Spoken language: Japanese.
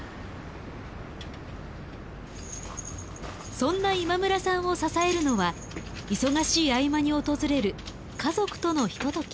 そんな今村さんを支えるのは忙しい合間に訪れる家族とのひととき。